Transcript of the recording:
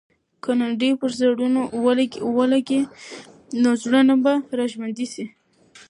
که لنډۍ پر زړونو ولګي، نو زړونه به راژوندي سي.